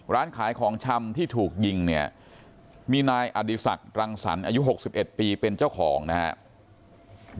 ร้านขายของชำที่ถูกยิงเนี่ยมีนายอดีศักดิ์รังสรรค์อายุ๖๑ปีเป็นเจ้าของนะครับ